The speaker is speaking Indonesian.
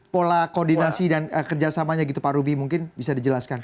pola koordinasi dan kerjasamanya gitu pak rubi mungkin bisa dijelaskan